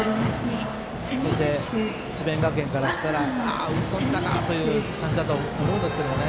そして、智弁学園からしたらああ、打ち損じたかという感じだと思いますね。